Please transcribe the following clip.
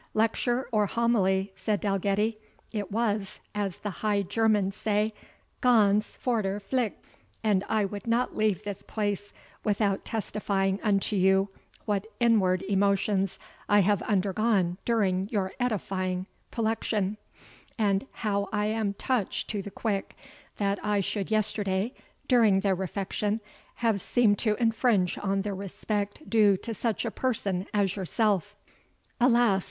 "Lecture or homily," said Dalgetty, "it was, as the High Germans say, GANZ FORTRE FLICH; and I could not leave this place without testifying unto you what inward emotions I have undergone during your edifying prelection; and how I am touched to the quick, that I should yesterday, during the refection, have seemed to infringe on the respect due to such a person as yourself." "Alas!